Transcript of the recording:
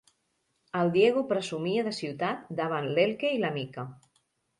El Diego presumia de ciutat davant l'Elke i la Mica.